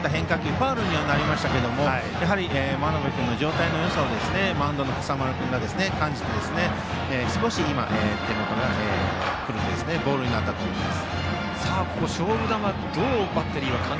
ファウルにはなりましたが眞邉君の状態のよさをマウンドの今朝丸君が感じて少し手元が狂ってボールになったと思います。